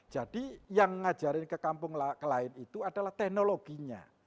jadi yang ngajarin ke kampung lain itu adalah teknologinya